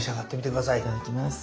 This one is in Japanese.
いただきます。